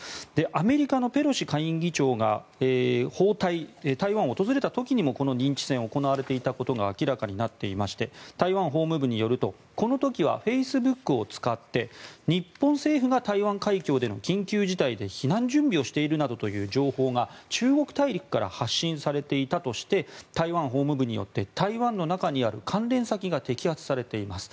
アメリカのペロシ下院議長が訪台、台湾を訪れた時にもこの認知戦が行われていたことが明らかになっていまして台湾法務部によるとこの時はフェイスブックを使って日本政府が台湾海峡での緊急事態で避難準備をしているなどといった情報が中国大陸から発信されていたとして台湾法務部によって台湾の中にある関連先が摘発されています。